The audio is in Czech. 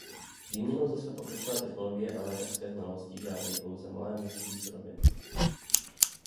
Výměnou za své pokročilé technologie a lékařské znalosti žádají pouze malé množství surovin.